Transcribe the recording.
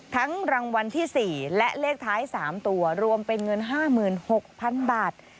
รางวัลที่๔และเลขท้าย๓ตัวรวมเป็นเงิน๕๖๐๐๐บาท